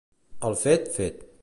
El fet, fet.